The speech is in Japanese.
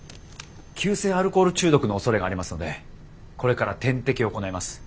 急性アルコール中毒のおそれがありますのでこれから点滴を行います。